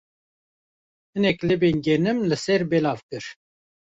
Hinek libên genim li ser belav kir.